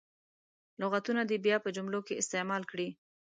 لغتونه دې بیا په جملو کې استعمال کړي.